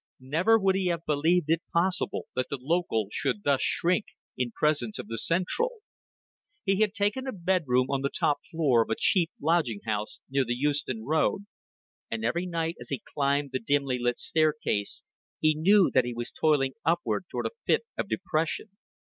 Never would he have believed it possible that the local should thus shrink in presence of the central. He had taken a bedroom on the top floor of a cheap lodging house near the Euston Road, and every night as he climbed the dimly lit staircase he knew that he was toiling upward toward a fit of depression.